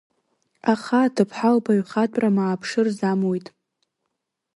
Аха аҭыԥҳа лбаҩхатәра мааԤшыр замуит.